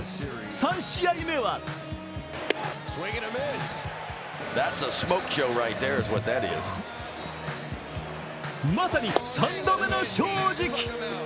３試合目はまさに三度目の正直。